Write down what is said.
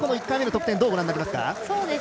１回目の得点どうご覧になりますか？